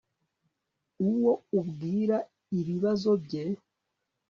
uwo ubwira ibibazo bye